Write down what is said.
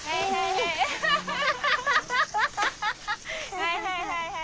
はいはいはいはい。